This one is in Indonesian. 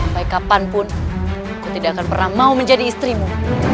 baik kapanpun aku tidak akan pernah mau menjadi istrimu